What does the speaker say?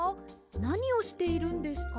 なにをしているんですか？